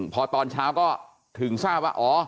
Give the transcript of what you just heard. พอตอนเช้าก็ถึงทราบว่าอ๋อ